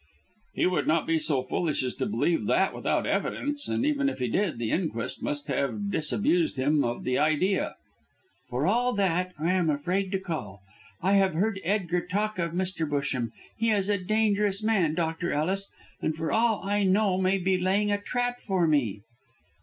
"He would not be so foolish as to believe that without evidence, and even if he did, the inquest must have disabused his mind of the idea." "For all that I am afraid to call. I have heard Edgar talk of Mr. Busham; he is a dangerous man, Dr. Ellis, and for all I know may be laying a trap for me."